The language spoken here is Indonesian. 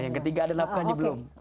yang ketiga ada nafkah lagi belum